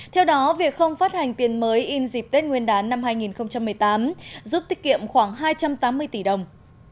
theo đó việc không phát hành tiền mới in dịp tết nguyên đán năm hai nghìn một mươi tám giúp tiết kiệm khoảng hai trăm tám mươi tỷ đồng